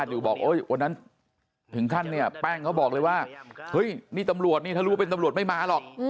อยู่บอกวันนั้นถึงขั้นเนี่ยแป้งเขาบอกเลยว่าเฮ้ยนี่ตำรวจนี่ถ้ารู้ว่าเป็นตำรวจไม่มาหรอก